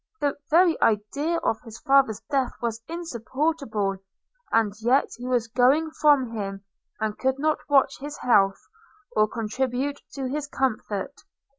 – The very idea of his father's death was insupportable; and yet he was going from him, and could not watch his health, or contribute to his comfort.